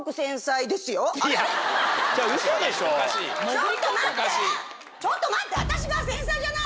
ちょっと待って！